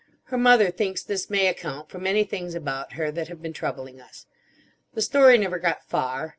Her mother thinks this may account for many things about her that have been troubling us. The story never got far.